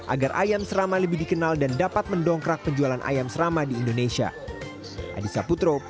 agar ayam serama lebih dikenal dan dapat mendongkrak penjualan ayam serama di indonesia